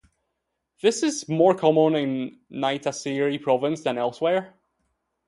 This is more common in Naitasiri Province than elsewhere.